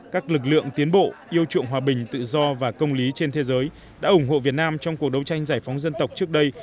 các lực lượng tiến bộ yêu chuộng hòa bình tự do và công lý trên thế giới đã ủng hộ việt nam trong cuộc đấu tranh giải phóng dân tộc trước đây